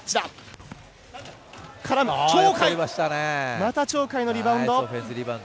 また鳥海のリバウンド。